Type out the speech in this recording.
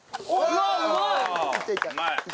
うまい！